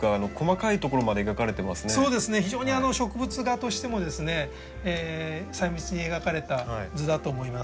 非常に植物画としても細密に描かれた図だと思います。